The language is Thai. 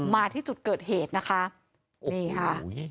มาที่จุดเกิดเหตุนะคะนี่ค่ะ